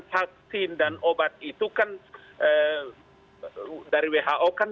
vaksin dan obat itu kan dari who kan